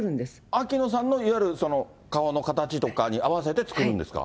秋野さんのいわゆる顔の形とかに合わせて作るんですか？